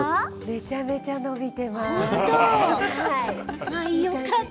めちゃめちゃ伸びています。